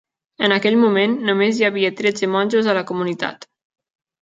En aquell moment, només hi havia tretze monjos a la comunitat.